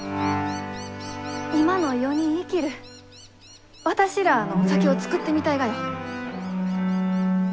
今の世に生きる私らあの酒を造ってみたいがよ。